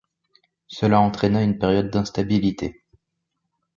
Cela entraîna une période d'instabilité.